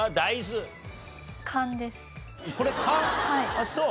あっそう。